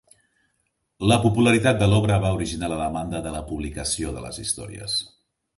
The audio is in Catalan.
La popularitat de l'obra va originar la demanda de la publicació de les històries.